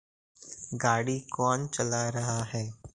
गाड़ी कौन चला रहा है?